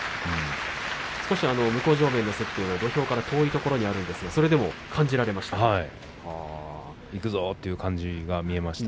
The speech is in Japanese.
少し向正面の席は土俵から遠いところにあるんですがはい、いくぞという感じが見られました。